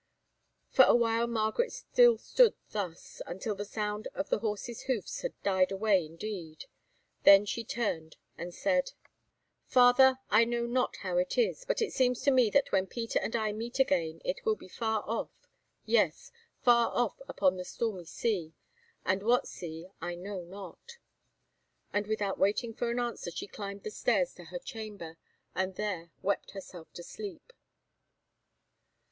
For a while Margaret still stood thus, until the sound of the horses' hoofs had died away indeed. Then she turned and said: "Father, I know not how it is, but it seems to me that when Peter and I meet again it will be far off, yes, far off upon the stormy sea—but what sea I know not." And without waiting for an answer she climbed the stairs to her chamber, and there wept herself to sleep.